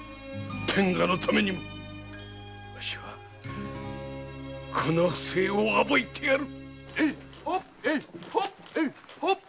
天下のためにもわしはこの不正を暴いてやる！